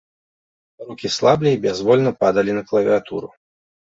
Рукі слаблі і бязвольна падалі на клавіятуру.